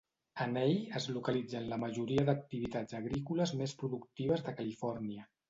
En ell es localitzen la majoria d'activitats agrícoles més productives de Califòrnia.